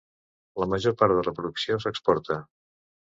La major part de la producció s'exporta.